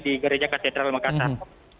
di gereja katedral makassar